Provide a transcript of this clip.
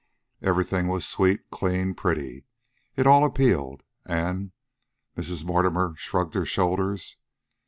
Everything was sweet, clean, pretty. It all appealed. And " Mrs. Mortimer shrugged her shoulders.